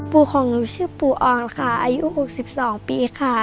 ปู่ของหนูชื่อปู่อ่อนค่ะอายุ๖๒ปีค่ะ